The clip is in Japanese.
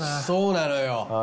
そうなのよ。